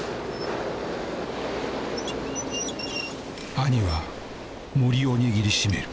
兄はもりを握りしめる。